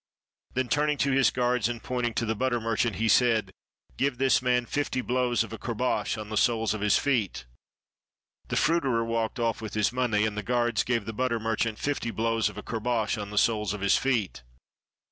Then, turning to his guards and pointing to the butter merchant, he said, "Give this man fifty blows of a courbash on the soles of his feet." The fruiterer walked off with his money, and the guards gave the butter merchant fifty blows of a cour bash on the soles of his feet.